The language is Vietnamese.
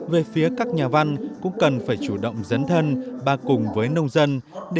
về phía các nhà văn cũng cần phải chủ động dấn thân ba cùng với nông dân